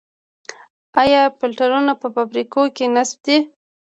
آیا فلټرونه په فابریکو کې نصب دي؟